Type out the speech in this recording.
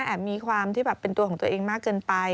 มีความที่แบบเป็นตัวของตัวเองมากเกินไป